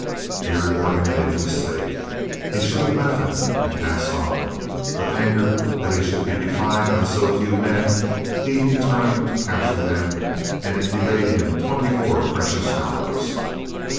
Here Morgan made a mistake. He should have left them and passed on; but angered that he should be defied by so few men, he determined to capture them and it delayed him twenty four precious hours.